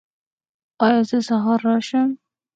ایا زه سهار راشم؟